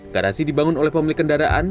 garasi dibangun oleh pemilik kendaraan